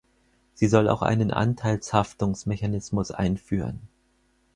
Sie soll auch einen Anteilshaftungsmechanismus einführen.